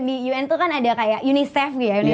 di un tuh kan ada kayak unicef gitu ya